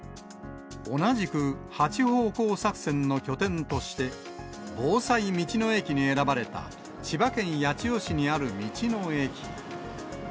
同じく八方向作戦の拠点として、防災道の駅に選ばれた、千葉県八千代市にある道の駅。